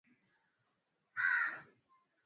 Ukibisha utafunguliwa.